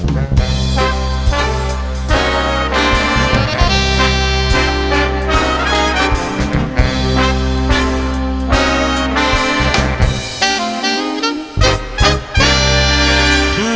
ดาดร้อนร้อน